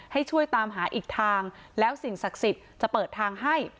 ให้ช่วยตามหาอีกทางแล้วสิ่งศักดิ์สิทธิ์จะเปิดทางให้